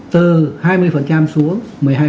từ hai mươi xuống một mươi hai